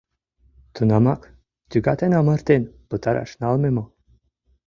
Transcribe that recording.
Тунамак тӱгатен-амыртен пытараш налме мо?